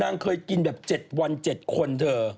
นางเคยกินแบบ๗วัน๗คนเธอ